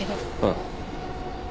ああ。